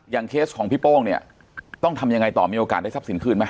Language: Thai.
เคสของพี่โป้งเนี่ยต้องทำยังไงต่อมีโอกาสได้ทรัพย์สินคืนไหม